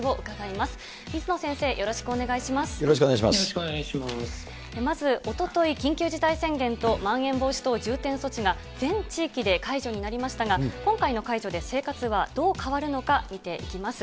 まず、おととい緊急事態宣言とまん延防止等重点措置が全地域で解除になりましたが、今回の解除で生活はどう変わるのか、見ていきます。